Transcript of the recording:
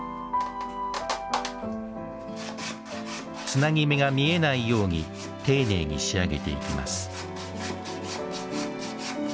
つなぎ目が見えないように丁寧に仕上げていきます